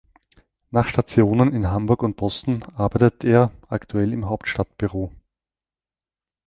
Nach Stationen in Hamburg und Boston arbeitet er aktuell im Hauptstadtbüro.